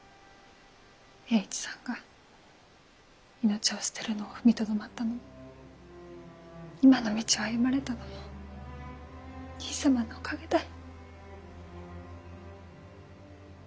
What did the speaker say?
栄一さんが命を捨てるのを踏みとどまったのも今の道を歩まれたのも兄さまのおかげだい。